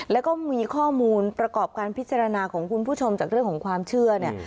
แล้วก็มีข้อมูลประกอบการพิจารณาของคุณผู้ชมจากเรื่องของความเชื่อเนี่ย